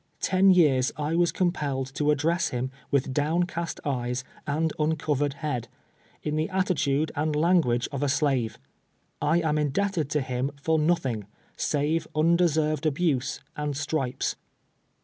Ten years I was compelled to address liim witli down cast eyes and uncovered bead — in the attitude and language of a slave. I am indebted to liim for nothing, save unde served abuse and stripes.